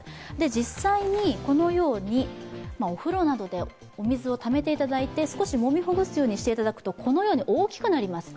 実際に、このようにお風呂などでお水をためていただいて少しもみほぐすようにしていただくと、このように、大きくなります。